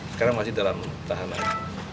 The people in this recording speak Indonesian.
sekarang masih dalam tahanan